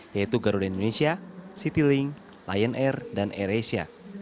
yaitu garuda indonesia citylink lion air dan air asia